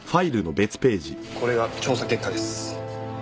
これが調査結果です。